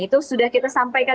itu sudah kita sampaikan